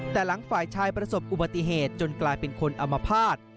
แต่หลังฝ่ายชายประสบอุบัติเหตุจนกลายเป็นคนอมภาษณ์